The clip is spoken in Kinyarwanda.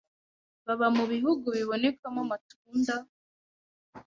baba mu bihugu bibonekamo amatunda,